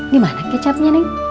dimana kecapnya nih